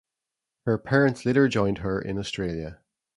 Her parents later joined her in Australia.